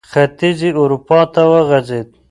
ختیځې اروپا ته وغځېد.